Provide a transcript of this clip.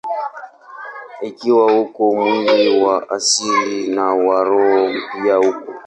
Ikiwa uko mwili wa asili, na wa roho pia uko.